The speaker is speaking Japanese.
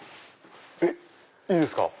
えっいいですか。